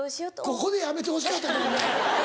ここでやめてほしかったけどね。